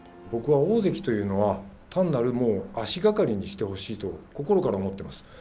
僕は、大関というのは単なる足がかりにしてほしいと心から思っています。